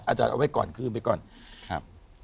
อาจารย์เอาไว้ก่อนคืนไปก่อนครับ